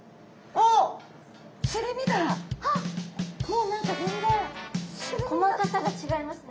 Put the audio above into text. あっもう何か全然細かさが違いますね。